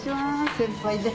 先輩です。